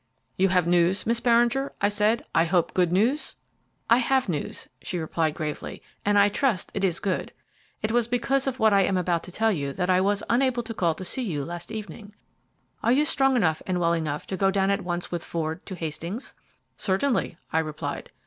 "You have news, Miss Beringer?" I said; "I hope good news?" "I have news," she replied gravely, "and I trust it is good. It was because of what I am about to tell you that I was unable to call to see you last evening. Are you strong enough and well enough to go down at once with Ford to Hastings?" "Certainly," I replied.